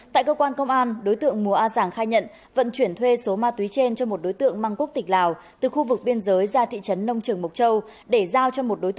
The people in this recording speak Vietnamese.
tại cơ quan công an đối tượng mùa a giàng khai nhận vận chuyển thuê số ma túy trên cho một đối tượng măng quốc tịch lào